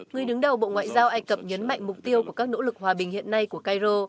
người đứng đầu bộ ngoại giao ai cập nhấn mạnh mục tiêu của các nỗ lực hòa bình hiện nay của cairo